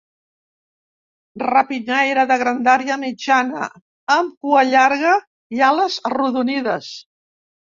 Rapinyaire de grandària mitjana, amb cua llarga i ales arrodonides.